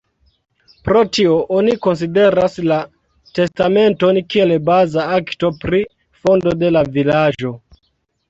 Pro tio oni konsideras la testamenton kiel baza akto pri fondo de la vilaĝo.